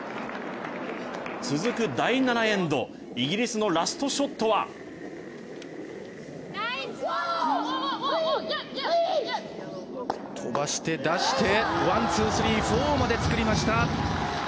続く第７エンド、イギリスのラストショットは飛ばして出してワン、ツースリー、フォーまで作りました。